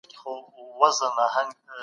زور زياتی هيڅکله تلپاتي سياسي بريا نه راوړي.